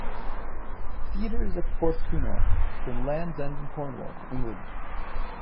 The theatre is at Porthcurno, from Land's End in Cornwall, England.